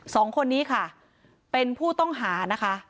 สองคนนี้ค่ะเป็นผู้ต้องหานะคะ